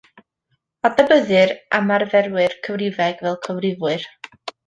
Adnabyddir ymarferwyr cyfrifeg fel cyfrifwyr.